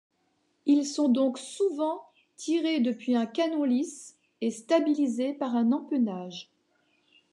Ils sont donc souvent tirés depuis un canon lisse et stabilisés par un empennage.